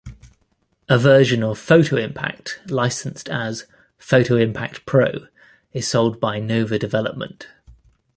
A version of PhotoImpact licensed as PhotoImpact Pro is sold by "Nova Development".